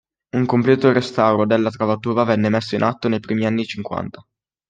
Un completo restauro della travatura venne messo in atto nei primi anni cinquanta.